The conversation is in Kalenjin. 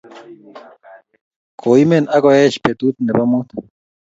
Koimen ak koeech peetut ne po muut